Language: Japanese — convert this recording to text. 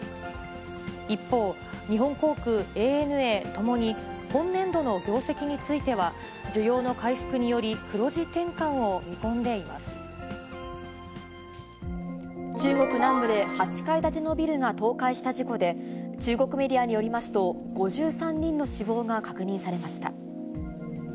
一方、日本航空、ＡＮＡともに、今年度の業績については、需要の回復により、中国南部で、８階建てのビルが倒壊した事故で、中国メディアによりますと、５３人の死亡が確認されました。